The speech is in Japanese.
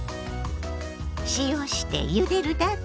塩してゆでるだけ。